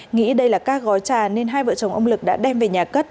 nghĩ đây là các gói trà nên hai vợ chồng ông lực đã đem về nhà cất